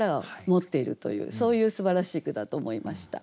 そういうすばらしい句だと思いました。